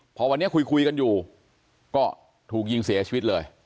พอวันนี้คุยกันอยู่ก็ถูกยิงเสียชีวิตเลย